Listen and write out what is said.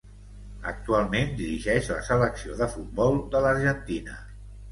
Actualment dirigeix la selecció de futbol de l'Argentina.